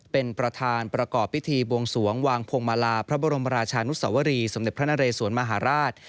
เป็นประธานประกอบพิธีบวงสวงวางพวงมาลาพระบรมราชานุสวรีสมเด็จพระนเรสวนมหาราช